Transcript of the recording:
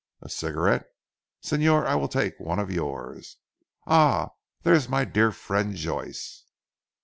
A cigarette? Señor, I will take one of yours. Ah, there is my dear friend Joyce."